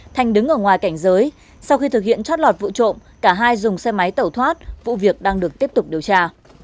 thanh đứng ở ngoài cảnh giới sau khi thực hiện trót lọt vụ trộm cả hai dùng xe máy tẩu thoát vụ việc đang được tiếp tục điều tra